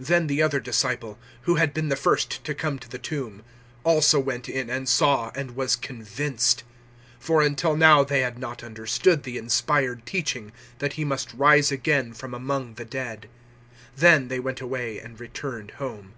020:008 Then the other disciple, who had been the first to come to the tomb, also went in and saw and was convinced. 020:009 For until now they had not understood the inspired teaching, that He must rise again from among the dead. 020:010 Then they went away and returned home.